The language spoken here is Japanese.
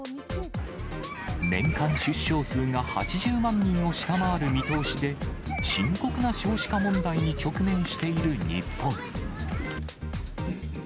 年間出生数が８０万人を下回る見通しで、深刻な少子化問題に直面している日本。